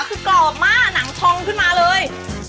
คือกรอบมากหนังทองขึ้นมาเลย